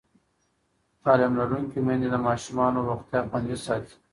تعلیم لرونکې میندې د ماشومانو روغتیا خوندي ساتي.